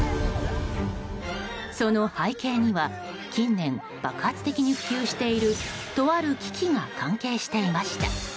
その背景には、近年爆発的に普及しているとある機器が関係していました。